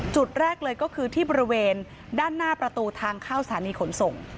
จุดแรกเลยก็คือที่บริเวณด้านหน้าประตูทางเข้าสถานีขนส่ง